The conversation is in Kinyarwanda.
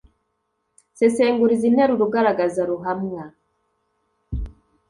sesengura izi nteruro ugaragaza ruhamwa